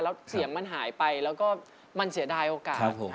แล้วเสียงมันหายไปแล้วก็มันเสียดายโอกาส